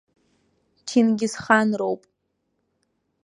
Чингисханроуп.